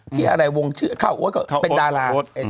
ที่อะไรวงชื่อข้าวโอ๊ตก็เป็นดารา